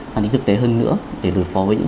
mang tính thực tế hơn nữa để đối phó với những